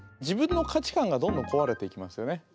自分の価値観がどんどん壊れていきますよね。